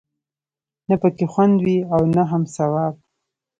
نه پکې خوند وي او نه هم ثواب.